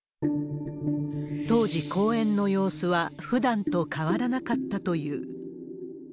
当時、公園の様子はふだんと変わらなかったという。